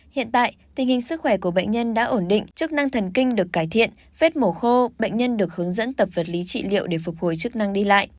hiện tại tình hình sức khỏe của bệnh nhân đã ổn định chức năng thần kinh được cải thiện vết mổ khô bệnh nhân được hướng dẫn tập vật lý trị liệu để phục hồi chức năng đi lại